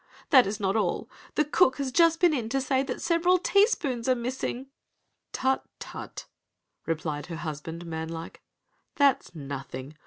That is not all. The cook has just been in to say that several teaspoons are missing." "Tut, tut," replied her husband, man like. "That's nothing.